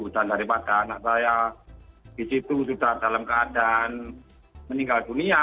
dan daripada anak saya di situ sudah dalam keadaan meninggal dunia